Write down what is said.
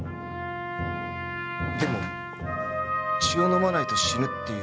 でも血を飲まないと死ぬっていうのは。